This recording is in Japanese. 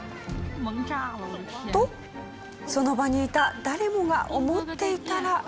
とその場にいた誰もが思っていたら。